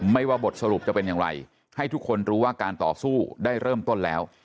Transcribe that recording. ว่าบทสรุปจะเป็นอย่างไรให้ทุกคนรู้ว่าการต่อสู้ได้เริ่มต้นแล้ว